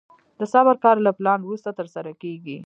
د صبر کار له پلان وروسته ترسره کېږي.